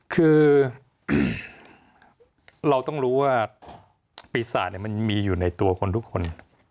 คือเราต้องรู้ว่าปีศาจมันมีอยู่ในตัวคนทุกคน